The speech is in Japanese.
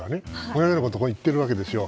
このようなことを言っているわけですよ。